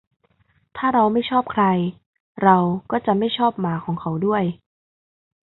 ถ้าเราไม่ชอบใคร เราก็จะไม่ชอบหมาของเขาด้วย